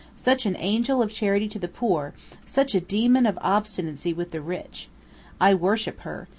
Such an angel of charity to the poor, such a demon of obstinacy with the rich! I worship her.